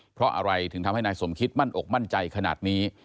เพราะอะไรถึงทำให้นายสมคิดมั่นอกมั่นใจขนาดนี้